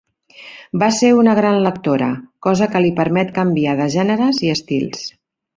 Va ser una gran lectora, cosa que li permet canviar de gèneres i estils.